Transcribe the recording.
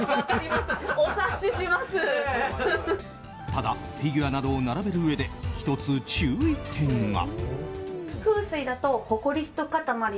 ただ、フィギュアなどを並べるうえで１つ注意点が。